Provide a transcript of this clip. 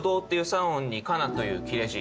３音に「かな」という切れ字